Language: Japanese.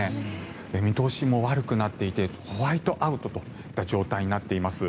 見通しも悪くなっていてホワイトアウトといった状態になっています。